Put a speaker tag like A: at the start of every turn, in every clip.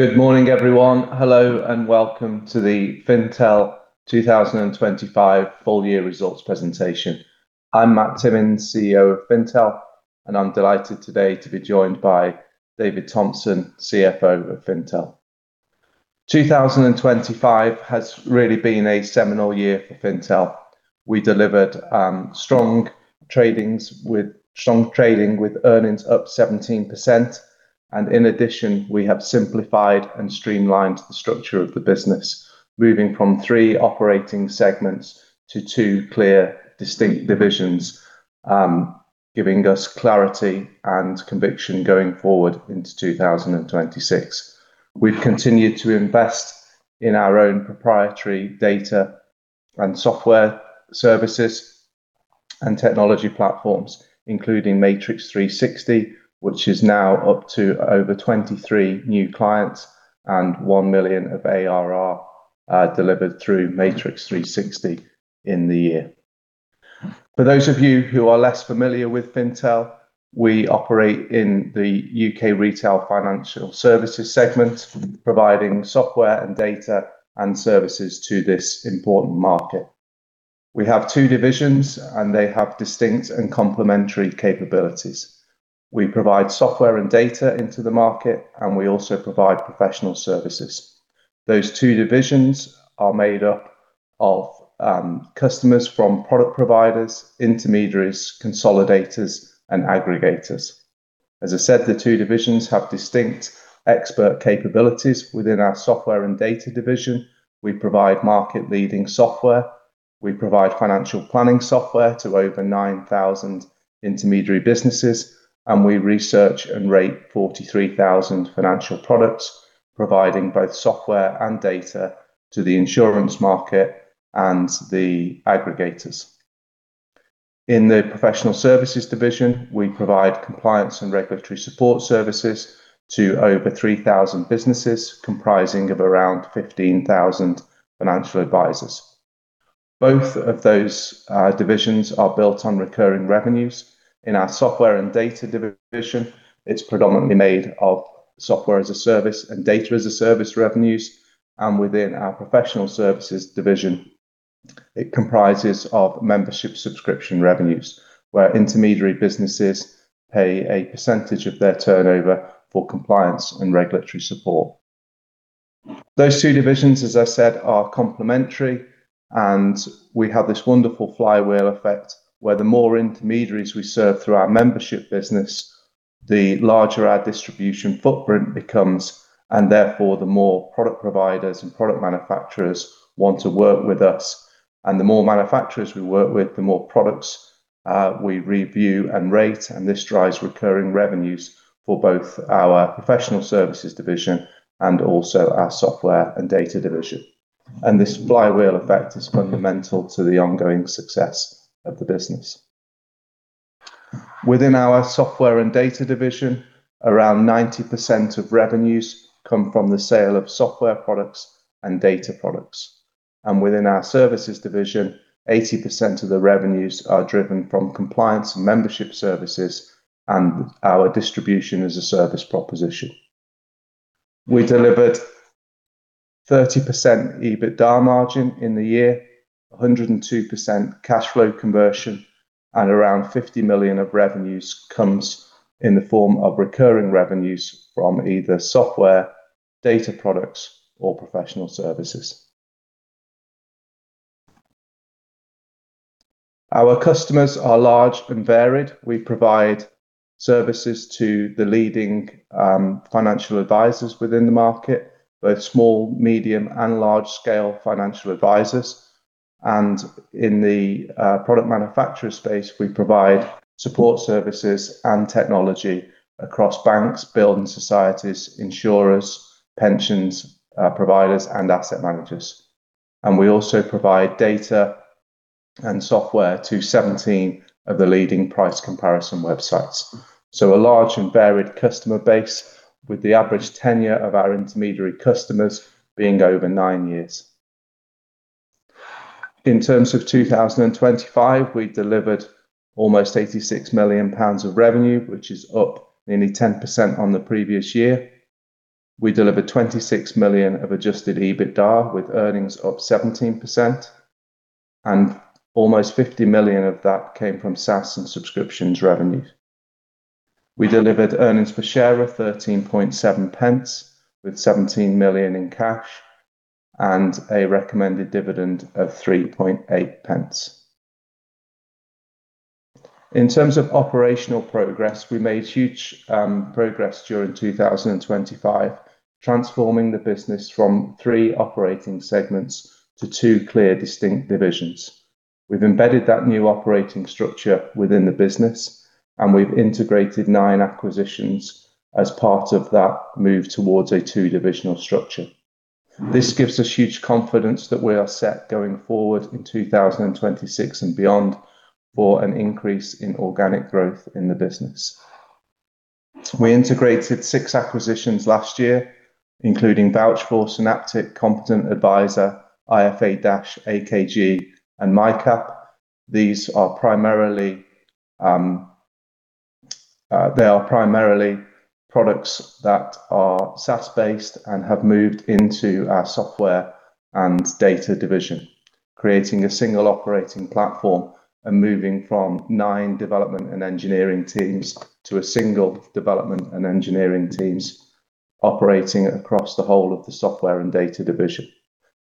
A: Good morning, everyone. Hello, and welcome to the Fintel 2025 full year results presentation. I'm Matt Timmins, CEO of Fintel, and I'm delighted today to be joined by David Thompson, CFO of Fintel. 2025 has really been a seminal year for Fintel. We delivered strong trading with earnings up 17% and in addition, we have simplified and streamlined the structure of the business, moving from 3 operating segments to 2 clear distinct divisions, giving us clarity and conviction going forward into 2026. We've continued to invest in our own proprietary data and software services and technology platforms, including Matrix 360, which is now up to over 23 new clients and 1 million of ARR delivered through Matrix 360 in the year. For those of you who are less familiar with Fintel, we operate in the UK retail financial services segment, providing software and data and services to this important market. We have two divisions, and they have distinct and complementary capabilities. We provide software and data into the market, and we also provide professional services. Those two divisions are made up of customers from product providers, intermediaries, consolidators, and aggregators. As I said, the two divisions have distinct expert capabilities within our software and data division. We provide market-leading software. We provide financial planning software to over 9,000 intermediary businesses, and we research and rate 43,000 financial products, providing both software and data to the insurance market and the aggregators. In the professional services division, we provide compliance and regulatory support services to over 3,000 businesses, comprising of around 15,000 financial advisors. Both of those divisions are built on recurring revenues. In our software and data division, it's predominantly made of software-as-a-service and data-as-a-service revenues. Within our professional services division, it comprises of membership subscription revenues, where intermediary businesses pay a percentage of their turnover for compliance and regulatory support. Those two divisions, as I said, are complementary, and we have this wonderful flywheel effect where the more intermediaries we serve through our membership business, the larger our distribution footprint becomes, and therefore, the more product providers and product manufacturers want to work with us. The more manufacturers we work with, the more products we review and rate, and this drives recurring revenues for both our professional services division and also our software and data division. This flywheel effect is fundamental to the ongoing success of the business. Within our software and data division, around 90% of revenues come from the sale of software products and data products. Within our services division, 80% of the revenues are driven from compliance and membership services and our distribution-as-a-service proposition. We delivered 30% EBITDA margin in the year, 102% cash flow conversion, and around 50 million of revenues comes in the form of recurring revenues from either software, data products or professional services. Our customers are large and varied. We provide services to the leading financial advisors within the market, both small, medium, and large-scale financial advisors. In the product manufacturer space, we provide support services and technology across banks, building societies, insurers, pension providers, and asset managers. We also provide data and software to 17 of the leading price comparison websites. A large and varied customer base with the average tenure of our intermediary customers being over 9 years. In terms of 2025, we delivered almost 86 million pounds of revenue, which is up nearly 10% on the previous year. We delivered 26 million of adjusted EBITDA, with earnings up 17%, and almost 50 million of that came from SaaS and subscriptions revenues. We delivered earnings per share of 13.7 pence with 17 million in cash and a recommended dividend of 3.8 pence. In terms of operational progress, we made huge progress during 2025, transforming the business from three operating segments to two clear distinct divisions. We've embedded that new operating structure within the business, and we've integrated 9 acquisitions as part of that move towards a two-divisional structure. This gives us huge confidence that we are set going forward in 2026 and beyond for an increase in organic growth in the business. We integrated six acquisitions last year, including VouchedFor, Synaptic, Competent Adviser, AKG, and Micap. These are primarily products that are SaaS-based and have moved into our software and data division, creating a single operating platform and moving from nine development and engineering teams to a single development and engineering teams operating across the whole of the software and data division.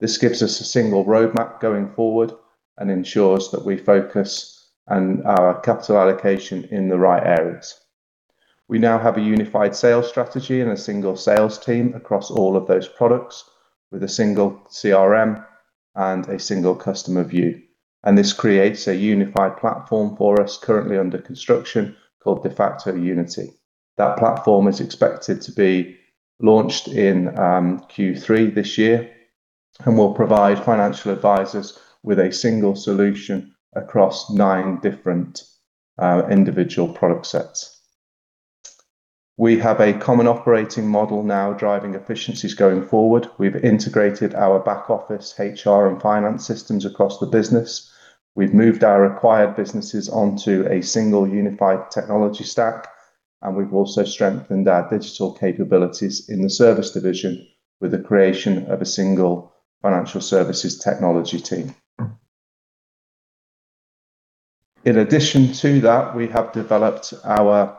A: This gives us a single roadmap going forward and ensures that we focus on our capital allocation in the right areas. We now have a unified sales strategy and a single sales team across all of those products with a single CRM and a single customer view. This creates a unified platform for us currently under construction called Defaqto Unity. That platform is expected to be launched in Q3 this year and will provide financial advisors with a single solution across nine different individual product sets. We have a common operating model now driving efficiencies going forward. We've integrated our back office HR and finance systems across the business. We've moved our acquired businesses onto a single unified technology stack, and we've also strengthened our digital capabilities in the service division with the creation of a single financial services technology team. In addition to that, we have developed our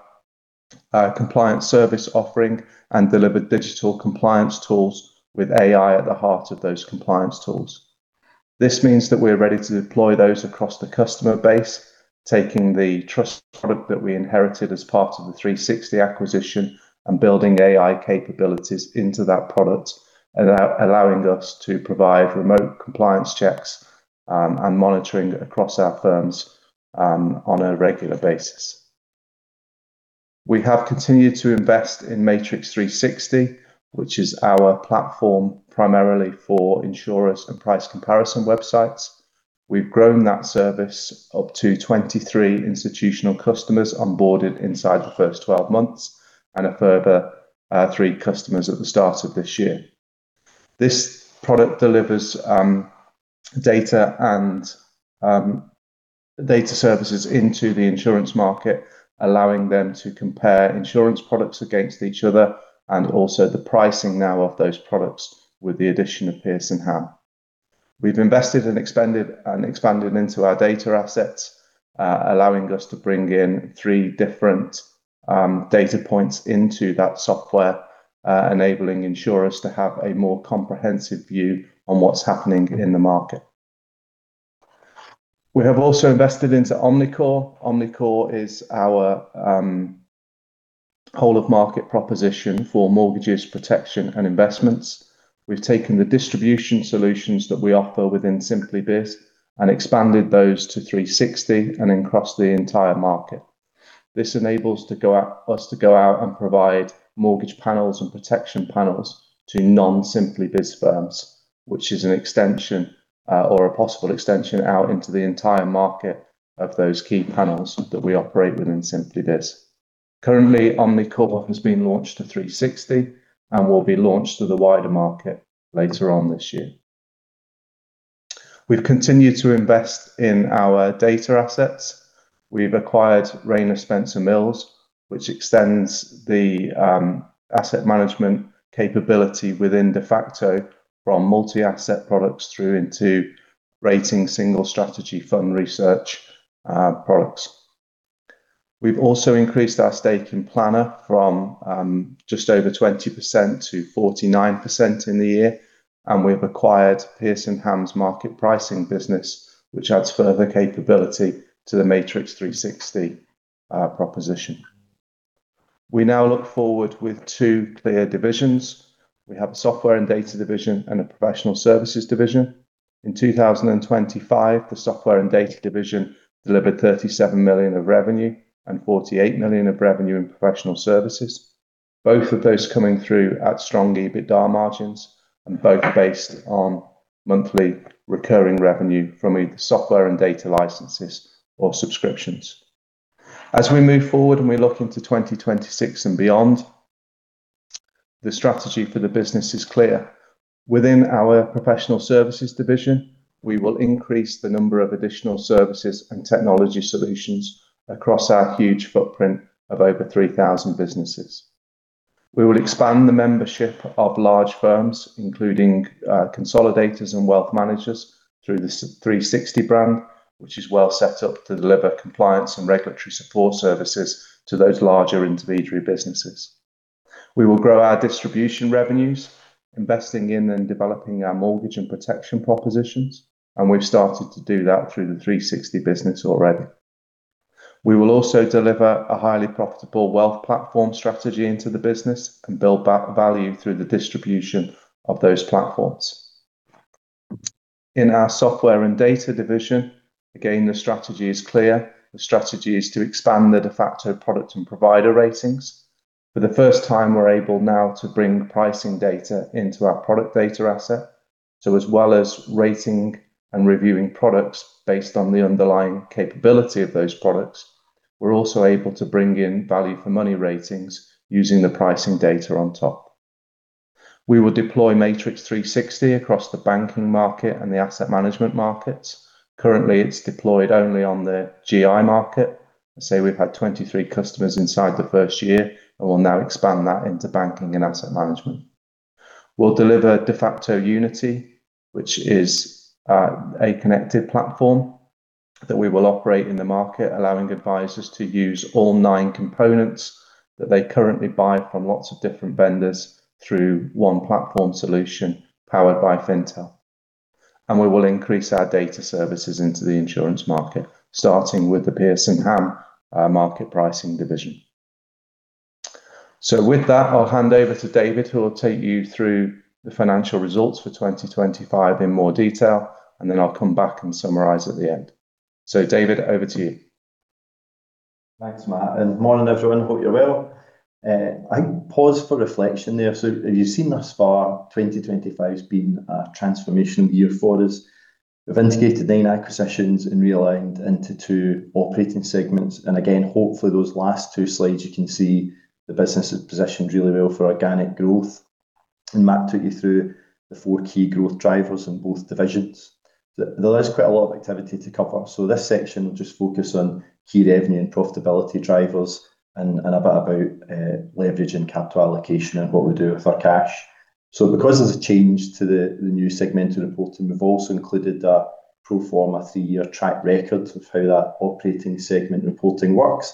A: compliance service offering and delivered digital compliance tools with AI at the heart of those compliance tools. This means that we're ready to deploy those across the customer base, taking the trust product that we inherited as part of the threesixty acquisition and building AI capabilities into that product and allowing us to provide remote compliance checks, and monitoring across our firms, on a regular basis. We have continued to invest in Matrix 360, which is our platform primarily for insurers and price comparison websites. We've grown that service up to 23 institutional customers onboarded inside the first 12 months and a further 3 customers at the start of this year. This product delivers data and data services into the insurance market, allowing them to compare insurance products against each other and also the pricing now of those products with the addition of Pearson Ham Group. We've invested and expanded into our data assets, allowing us to bring in three different data points into that software, enabling insurers to have a more comprehensive view on what's happening in the market. We have also invested into Omnicore. Omnicore is our whole of market proposition for mortgages, protection, and investments. We've taken the distribution solutions that we offer within SimplyBiz and expanded those to threesixty and across the entire market. This enables us to go out and provide mortgage panels and protection panels to non-SimplyBiz firms, which is an extension or a possible extension out into the entire market of those key panels that we operate within SimplyBiz. Currently, Omnicore has been launched to threesixty and will be launched to the wider market later on this year. We've continued to invest in our data assets. We've acquired Rayner Spencer Mills Research, which extends the asset management capability within Defaqto from multi-asset products through into rating single strategy fund research products. We've also increased our stake in Plannr from just over 20% to 49% in the year, and we've acquired Pearson Ham Group's market pricing business, which adds further capability to the Matrix 360 proposition. We now look forward with two clear divisions. We have a software and data division and a professional services division. In 2025, the software and data division delivered 37 million of revenue and 48 million of revenue in professional services. Both of those coming through at strong EBITDA margins and both based on monthly recurring revenue from either software and data licenses or subscriptions. As we move forward and we look into 2026 and beyond, the strategy for the business is clear. Within our professional services division, we will increase the number of additional services and technology solutions across our huge footprint of over 3,000 businesses. We will expand the membership of large firms, including consolidators and wealth managers through the threesixty brand, which is well set up to deliver compliance and regulatory support services to those larger intermediary businesses. We will grow our distribution revenues, investing in and developing our mortgage and protection propositions, and we've started to do that through the threesixty business already. We will also deliver a highly profitable wealth platform strategy into the business and build value through the distribution of those platforms. In our software and data division, again, the strategy is clear. The strategy is to expand the Defaqto product and provider ratings. For the first time, we're able now to bring pricing data into our product data asset. As well as rating and reviewing products based on the underlying capability of those products, we're also able to bring in value for money ratings using the pricing data on top. We will deploy Matrix 360 across the banking market and the asset management markets. Currently, it's deployed only on the GI market. Let's say we've had 23 customers inside the first year, and we'll now expand that into banking and asset management. We'll deliver Defaqto Unity, which is a connected platform that we will operate in the market, allowing advisors to use all nine components that they currently buy from lots of different vendors through one platform solution powered by Fintel. We will increase our data services into the insurance market, starting with the Pearson Ham Group market pricing division. With that, I'll hand over to David, who will take you through the financial results for 2025 in more detail, and then I'll come back and summarize at the end. David, over to you.
B: Thanks, Matt, and good morning, everyone. Hope you're well. I think pause for reflection there. As you've seen thus far, 2025 has been a transformational year for us. We've integrated nine acquisitions and realigned into two operating segments. Again, hopefully those last two slides you can see the business is positioned really well for organic growth. Matt took you through the four key growth drivers in both divisions. There is quite a lot of activity to cover, so this section will just focus on key revenue and profitability drivers and a bit about leverage and capital allocation and what we do with our cash. Because there's a change to the new segmental reporting, we've also included a pro forma three-year track record of how that operating segment reporting works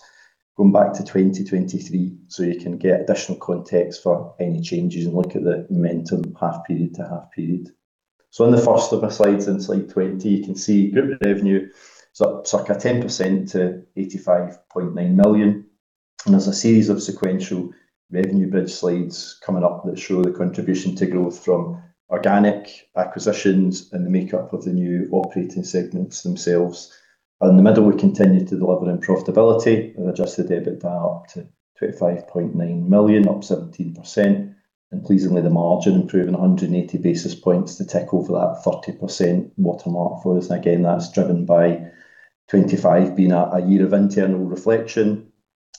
B: going back to 2023, so you can get additional context for any changes and look at the momentum half period to half period. In the first of our slides, in slide 20, you can see group revenue is up circa 10% to 85.9 million. There's a series of sequential revenue bridge slides coming up that show the contribution to growth from organic acquisitions and the makeup of the new operating segments themselves. In the middle, we continue to deliver in profitability with adjusted EBITDA up to 25.9 million, up 17%, and pleasingly the margin improving 180 basis points to tick over that 30% watermark for us. Again, that's driven by 25 being a year of internal reflection,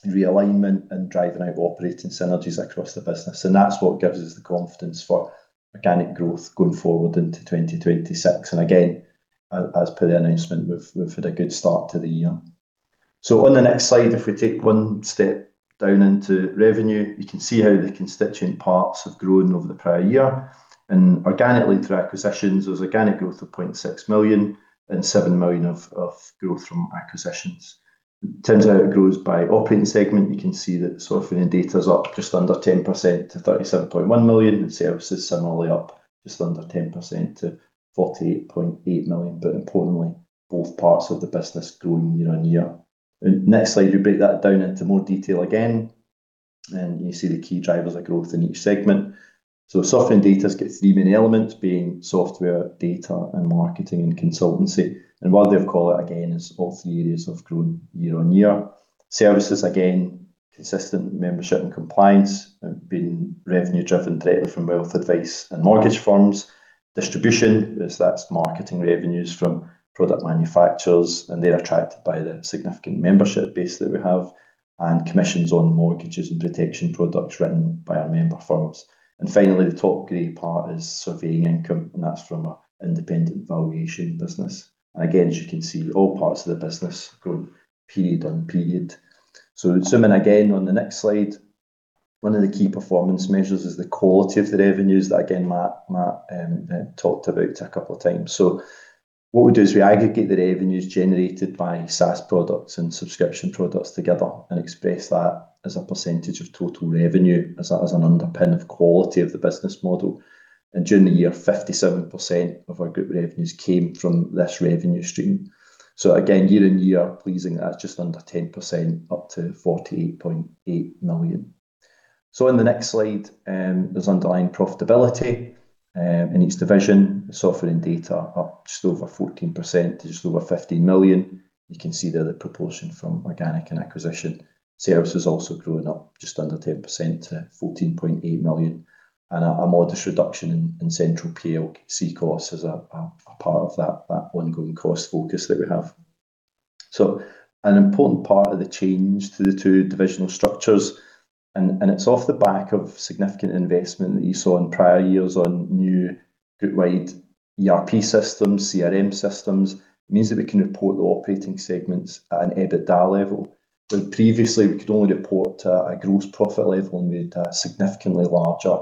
B: realignment, and driving out operating synergies across the business. That's what gives us the confidence for organic growth going forward into 2026. As per the announcement, we've had a good start to the year. On the next slide, if we take one step down into revenue, you can see how the constituent parts have grown over the prior year. Organically through acquisitions, there was organic growth of 0.6 million and 7 million of growth from acquisitions. Turns out it grows by operating segment. You can see that software and data's up just under 10% to 37.1 million, and services similarly up just under 10% to 48.8 million. Importantly, both parts of the business growing year-on-year. Next slide, you break that down into more detail again, and you see the key drivers of growth in each segment. Software and data's got three main elements, being software, data, and marketing and consultancy. What they would call it again, is all three areas have grown year on year. Services, again, consistent membership and compliance have been revenue-driven directly from wealth advice and mortgage firms. Distribution, that's marketing revenues from product manufacturers, and they're attracted by the significant membership base that we have and commissions on mortgages and protection products written by our member firms. Finally, the top gray part is surveying income, and that's from our independent valuation business. Again, as you can see, all parts of the business have grown period on period. Zooming again on the next slide, one of the key performance measures is the quality of the revenues that again, Matt, talked about a couple of times. What we do is we aggregate the revenues generated by SaaS products and subscription products together and express that as a percentage of total revenue as an underpin of quality of the business model. During the year, 57% of our group revenues came from this revenue stream. Again, year-on-year pleasing at just under 10% up to 48.8 million. On the next slide, there's underlying profitability in each division. Software and data up just over 14% to just over 15 million. You can see there the proportion from organic and acquisition. Services also growing up just under 10% to 14.8 million. A modest reduction in central PLC costs as a part of that ongoing cost focus that we have. An important part of the change to the two divisional structures, and it's off the back of significant investment that you saw in prior years on new group-wide ERP systems, CRM systems, means that we can report the operating segments at an EBITDA level. When previously we could only report a gross profit level and we had a significantly larger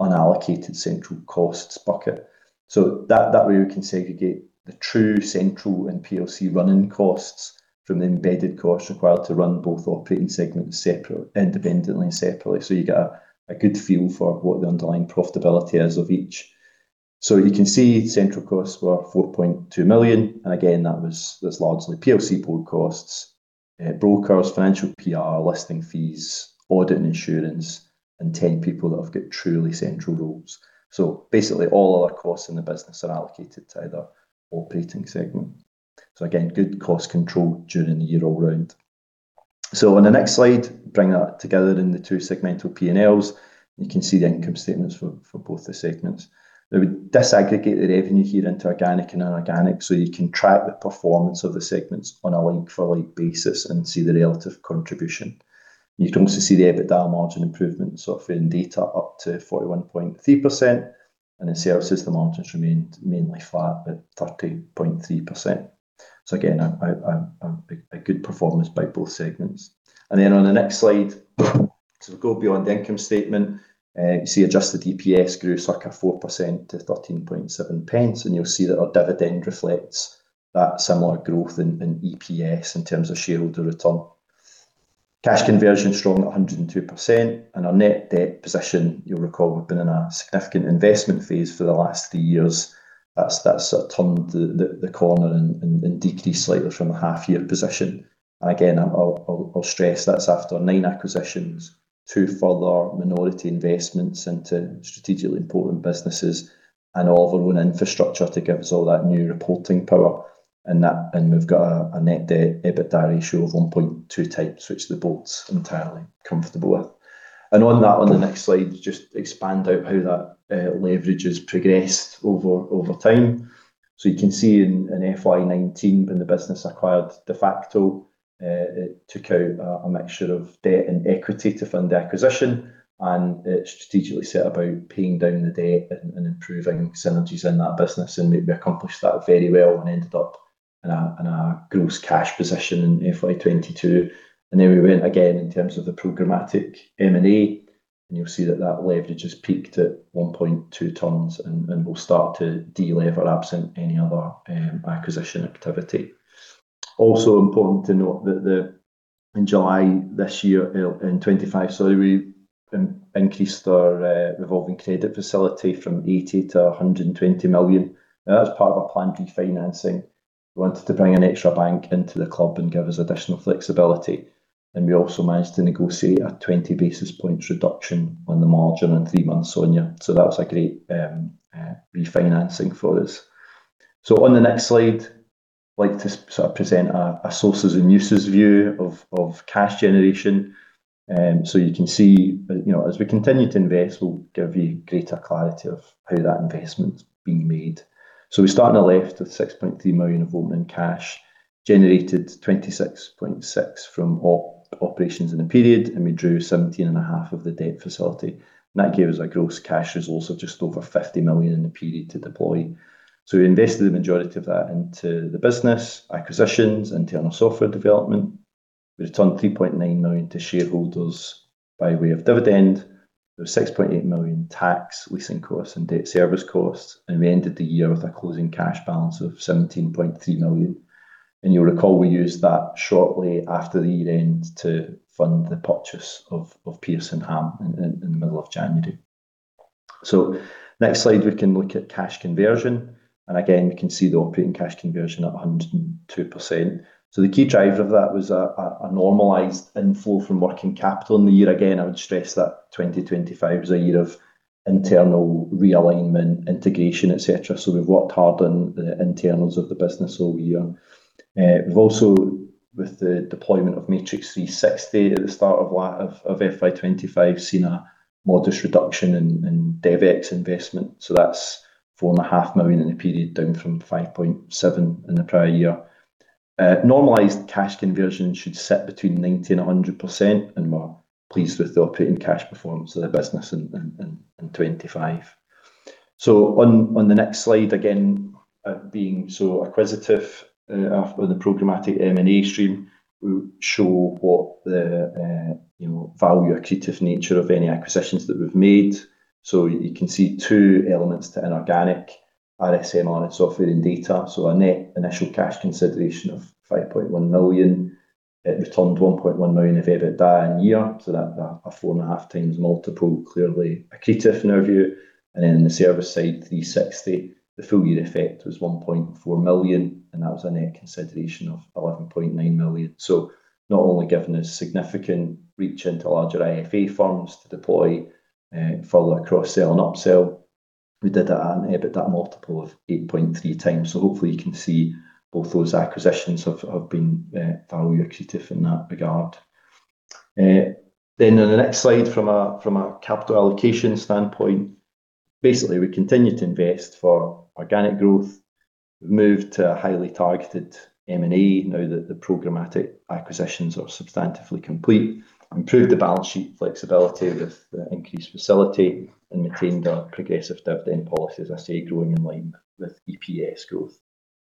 B: unallocated central costs bucket. That way we can segregate the true central and PLC running costs from the embedded costs required to run both operating segments independently and separately. You get a good feel for what the underlying profitability is of each. You can see central costs were 4.2 million, and again, that's largely PLC board costs, brokers, financial PR, listing fees, audit and insurance, and 10 people that have got truly central roles. Basically all other costs in the business are allocated to either operating segment. Again, good cost control during the year all round. On the next slide, bring that together in the two segmental P&Ls. You can see the income statements for both the segments. Now we disaggregate the revenue here into organic and inorganic, so you can track the performance of the segments on a like for like basis and see the relative contribution. You can also see the EBITDA margin improvement in software and data up to 41.3%. In services, the margins remained mainly flat at 30.3%. Good performance by both segments. On the next slide, we go beyond the income statement. You see adjusted EPS grew circa 4% to 13.7 pence, and you'll see that our dividend reflects that similar growth in EPS in terms of shareholder return. Cash conversion, strong at 102%. Our net debt position, you'll recall, we've been in a significant investment phase for the last 3 years. That's sort of turned the corner and decreased slightly from the half-year position. Again, I'll stress that's after 9 acquisitions, 2 further minority investments into strategically important businesses and all of our own infrastructure to give us all that new reporting power and that. We've got a net debt EBITDA ratio of 1.2 times, which the board's entirely comfortable with. On that, on the next slide, just expand out how that leverage has progressed over time. You can see in FY 2019 when the business acquired Defaqto, it took out a mixture of debt and equity to fund the acquisition, and it strategically set about paying down the debt and improving synergies in that business. We accomplished that very well and ended up in a gross cash position in FY 2022. Then we went again in terms of the programmatic M&A, and you'll see that leverage has peaked at 1.2 times and will start to de-lever absent any other acquisition activity. Also important to note that in July this year, in 2025, sorry, we increased our revolving credit facility from 80 million to 120 million. Now, as part of our planned refinancing, we wanted to bring an extra bank into the club and give us additional flexibility. We also managed to negotiate a 20 basis points reduction on the margin and three months SONIA. That was a great refinancing for us. On the next slide, I'd like to sort of present a sources and uses view of cash generation. You can see, you know, as we continue to invest, we'll give you greater clarity of how that investment's being made. We start on the left with 6.3 million of opening cash, generated 26.6 million from operations in the period, and we drew 17.5 million of the debt facility. That gave us a gross cash resource of just over 50 million in the period to deploy. We invested the majority of that into the business, acquisitions, internal software development. We returned 3.9 million to shareholders by way of dividend. There was 6.8 million tax, leasing costs, and debt service costs. We ended the year with a closing cash balance of 17.3 million. You'll recall we used that shortly after the year-end to fund the purchase of Pearson Ham Group in the middle of January. Next slide, we can look at cash conversion. Again, we can see the operating cash conversion at 102%. The key driver of that was a normalized inflow from working capital in the year. Again, I would stress that 2025 was a year of internal realignment, integration, et cetera. We've worked hard on the internals of the business all year. We've also, with the deployment of Matrix 360 at the start of FY 2025, seen a modest reduction in DevEx investment. That's 4.5 million in the period, down from 5.7 million in the prior year. Normalized cash conversion should sit between 90% and 100%, and we're pleased with the operating cash performance of the business in 2025. On the next slide, again, being so acquisitive on the programmatic M&A stream, we show what the, you know, value-accretive nature of any acquisitions that we've made. You can see two elements to inorganic RSMR and software and data. A net initial cash consideration of 5.1 million. It returned 1.1 million of EBITDA in a year, so that a 4.5x multiple, clearly accretive in our view. Then in the service side, threesixty, the full year effect was 1.4 million, and that was a net consideration of 11.9 million. Not only giving us significant reach into larger IFA firms to deploy further cross-sell and upsell, we did that on EBITDA multiple of 8.3x. Hopefully you can see both those acquisitions have been value accretive in that regard. On the next slide from a capital allocation standpoint, basically, we continue to invest for organic growth. We've moved to a highly targeted M&A now that the programmatic acquisitions are substantively complete. Improved the balance sheet flexibility with the increased facility and maintained our progressive dividend policy, as I say, growing in line with EPS growth,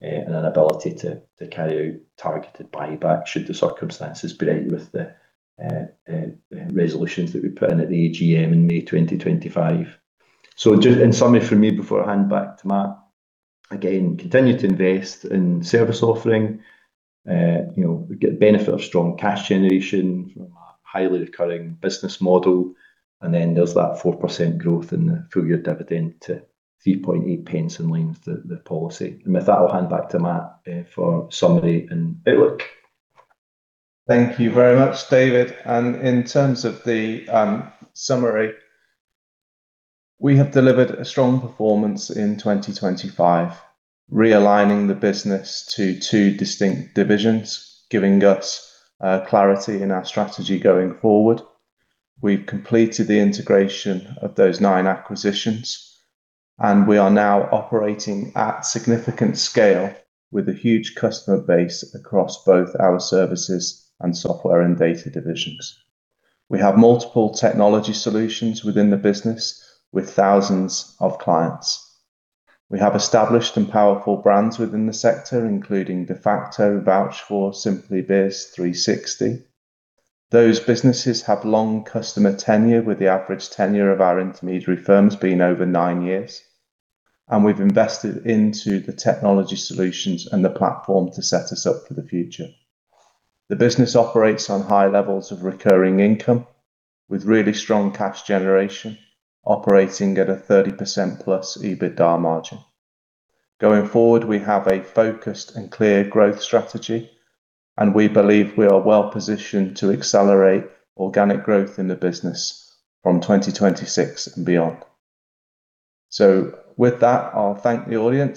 B: and an ability to carry out targeted buyback should the circumstances present with the resolutions that we put in at the AGM in May 2025. Just in summary for me before I hand back to Matt, again, continue to invest in service offering. You know, we get the benefit of strong cash generation from a highly recurring business model. There's that 4% growth in the full year dividend to 0.038 in line with the policy. With that, I'll hand back to Matt for summary and outlook.
A: Thank you very much, David. In terms of the summary, we have delivered a strong performance in 2025, realigning the business to two distinct divisions, giving us clarity in our strategy going forward. We've completed the integration of those nine acquisitions, and we are now operating at significant scale with a huge customer base across both our services and software and data divisions. We have multiple technology solutions within the business with thousands of clients. We have established and powerful brands within the sector, including Defaqto, VouchedFor, SimplyBiz, threesixty. Those businesses have long customer tenure, with the average tenure of our intermediary firms being over nine years. We've invested into the technology solutions and the platform to set us up for the future. The business operates on high levels of recurring income with really strong cash generation, operating at a 30%+ EBITDA margin. Going forward, we have a focused and clear growth strategy, and we believe we are well positioned to accelerate organic growth in the business from 2026 and beyond. With that, I'll thank the audience.